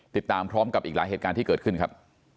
ติดตามพร้อมกับอีกหลายเหตุการณ์ที่เกิดขึ้นครับ